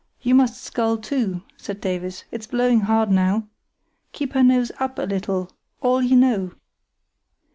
"You must scull, too," said Davies. "It's blowing hard now. Keep her nose up a little—all you know!"